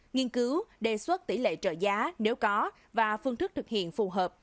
nghiên cứu đề xuất tỷ lệ trợ giá nếu có và phương thức thực hiện phù hợp